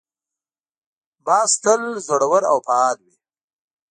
باز تل زړور او فعال وي